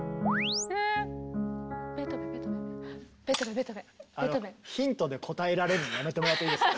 ベートーベンベートーベン？ヒントで答えられるのやめてもらっていいですか？